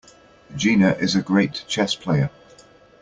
Gina is a great chess player.